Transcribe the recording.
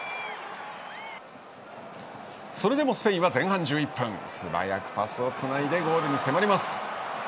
それでもスペインは前半１１分素早くパスをつないでゴールに迫ります。